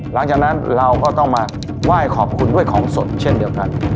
หลังจากนั้นเราก็ต้องมาไหว้ขอบคุณด้วยของสดเช่นเดียวกัน